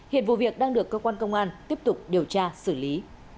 hiện vụ việc đang được cơ quan công an tiếp tục điều tra xử lý